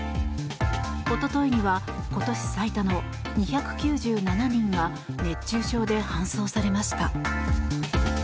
おとといには今年最多の２９７人が熱中症で搬送されました。